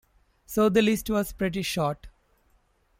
So, the list was pretty short.